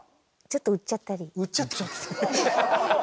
ちょっと売っちゃったり。